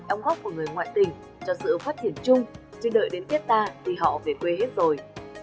ống góc của người ngoại tỉnh cho sự phát triển chung chứ đợi đến tết ta thì họ về quê hết rồi